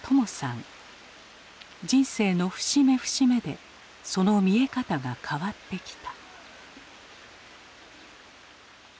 人生の節目節目でその見え方が変わってきた。